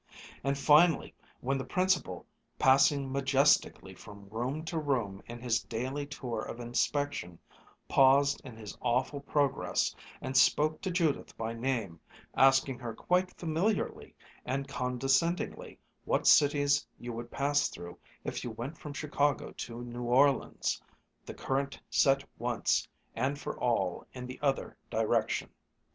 And finally when the Principal, passing majestically from room to room in his daily tour of inspection, paused in his awful progress and spoke to Judith by name, asking her quite familiarly and condescendingly what cities you would pass through if you went from Chicago to New Orleans, the current set once and for all in the other direction.